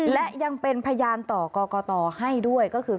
และยังเป็นพยานต่อกรกตให้ด้วยก็คือ